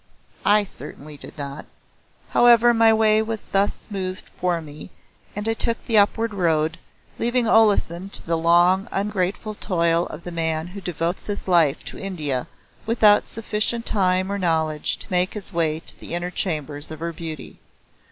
I certainly did not. However my way was thus smoothed for me and I took the upward road, leaving Olesen to the long ungrateful toil of the man who devotes his life to India without sufficient time or knowledge to make his way to the inner chambers of her beauty.